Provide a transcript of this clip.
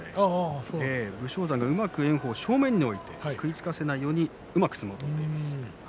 武将山が、うまく炎鵬を正面に置いて食いつかせない相撲を取っています。